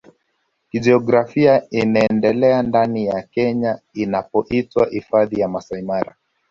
kijiografia inaendelea ndani ya Kenya inapoitwa Hifadhi ya Masai Mara